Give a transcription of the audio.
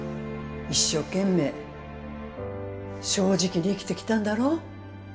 一生懸命正直に生きてきたんだろ？